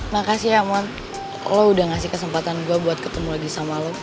makasih ya amon lo udah ngasih kesempatan gue buat ketemu lagi sama lo